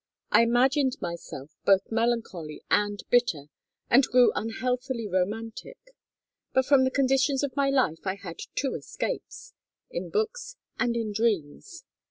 I imagined myself both melancholy and bitter and grew unhealthily romantic. But from the conditions of my life I had two escapes in books and in dreams.